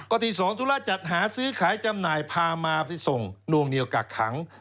ที่๒ธุระจัดหาซื้อขายจำหน่ายพามาไปส่งนวงเหนียวกักขัง